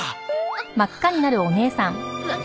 あっ。